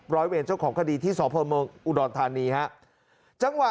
ร้อยเวรเจ้าของคดีที่สพเมืองอุดรธานีฮะจังหวะ